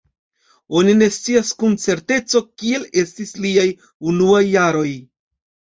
Oni ne scias kun certeco kiel estis liaj unuaj jaroj.